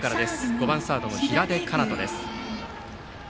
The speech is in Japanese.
５番サードの平出奏翔。